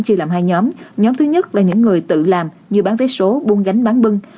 chia làm hai nhóm nhóm thứ nhất là những người tự làm như bán vé số buôn gánh bán bưng